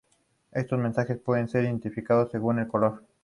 Estos mensajes pueden ser identificados según el color.